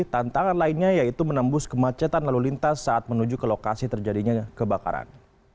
tantangan lainnya yaitu menembus kemacetan lalu lintas saat menuju ke lokasi terjadinya kebakaran